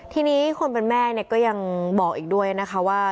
ทีนี้คนเป็นแม่ก็ยังบอกอีกด้วยนะคะว่า